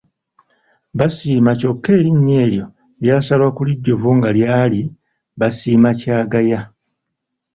Basiima kyokka erinnya eryo lyasalwa ku lijjuvu nga lyali Basiimabakyagaaya.